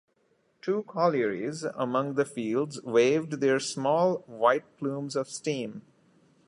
Two collieries, among the fields, waved their small white plumes of steam.